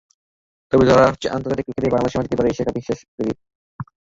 তবে ধরা হচ্ছে, আন্তর্জাতিক ক্রিকেটে বাংলাদেশের মাটিতে এবারের এশিয়া কাপই শেষ আফ্রিদির।